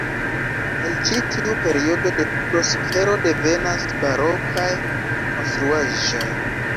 El ĉi tiu periodo de prospero devenas barokaj konstruaĵoj.